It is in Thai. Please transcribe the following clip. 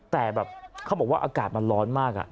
แต่แบบเขาบอกว่าอากาศมันร้อนมาก